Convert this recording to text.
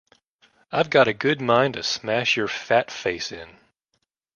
I've got a good mind to smash your fat face in!